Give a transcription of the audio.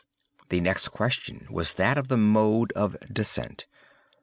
"The next question is that of the mode of descent.